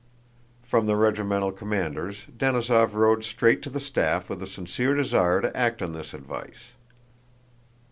From the regimental commander's, Denísov rode straight to the staff with a sincere desire to act on this advice.